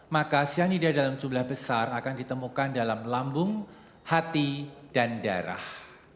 maka cyanida dalam jumlah besar akan ditemukan dalam lambung hati dan darah